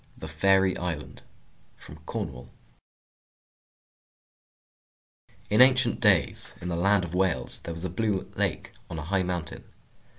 THE FAIRY ISLAND From Cornwall In ancient days, in the land of Wales, there was a blue lake on a high mountain.